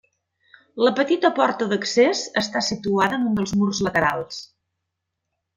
La petita porta d'accés, està situada en un dels murs laterals.